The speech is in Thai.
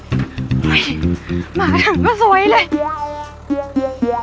น้ำปลาร้าลูก